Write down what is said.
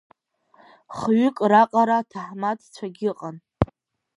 Хҩык раҟара аҭаҳмадцәагьы ыҟан.